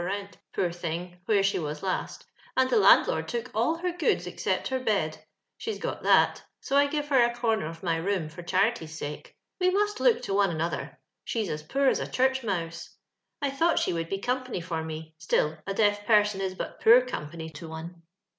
479 rent, poor thing, where she was last, and the landl^ took all her goods except her bed ; she's got that, so I give her a comer of my room for charity's sake. We must look to one another: she's as poor as a church mouse. I thought she would be company for me, still a deaf person is but poor company to one.